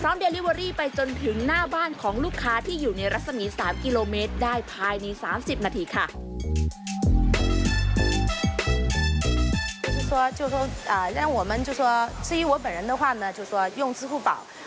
พร้อมเดลิเวอรี่ไปจนถึงหน้าบ้านของลูกค้าที่อยู่ในรักษณีย์๓กิโลเมตรได้ภายใน๓๐นาทีค่ะ